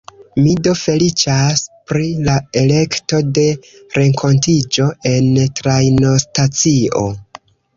Mi do feliĉas pri la elekto de renkontiĝo en trajnostacio.